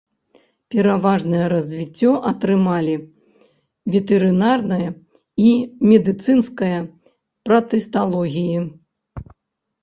Пераважнае развіццё атрымалі ветэрынарная і медыцынская пратысталогіі.